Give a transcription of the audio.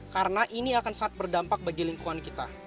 karena ini akan sangat berdampak bagi lingkungan kita